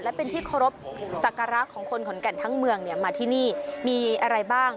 และเป็นที่เคารพสักการะของคนขอนแก่นทั้งเมืองเนี่ยมาที่นี่มีอะไรบ้าง